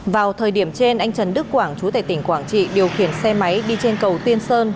vào thời điểm trên anh trần đức quảng chú tài tỉnh quảng trị điều khiển xe máy đi trên cầu tiên sơn